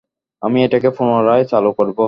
আমি এটাকে পুনরায় চালু করব।